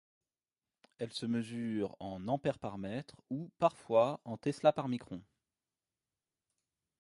Elle se mesure en ampères par mètre ou, parfois, en teslas par µ.